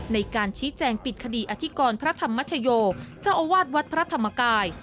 ในการชี้แจงปิดคดีอธิกรพระธรรมชโยเจ้าอาวาสวัดพระธรรมกาย